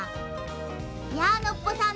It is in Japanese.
いやノッポさん